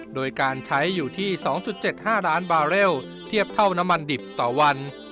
โดยการใช้อยู่ที่๒๗๕ล้านบาเรลเทียบเท่าน้ำมันดิบต่อวัน